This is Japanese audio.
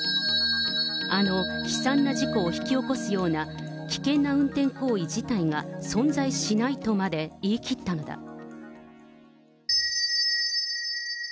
あの、悲惨な事故を引き起こすような危険な運転行為自体が存在しないとまで言い切ったのだ。